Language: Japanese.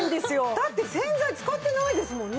だって洗剤使ってないですもんね。